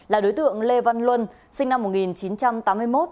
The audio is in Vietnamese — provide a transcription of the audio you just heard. là đối tượng lê văn luân sinh năm một nghìn chín trăm tám mươi một